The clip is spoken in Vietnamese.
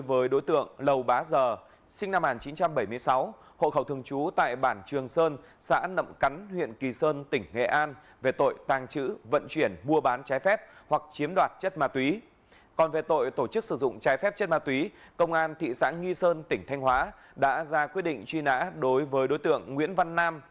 hội khẩu thường trú tại thôn hà tân xã hải hà thị xã nghi sơn tỉnh thanh hóa đã ra quyết định truy nã đối với đối tượng nguyễn văn nam